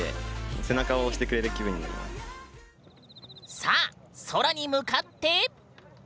さあ空に向かって！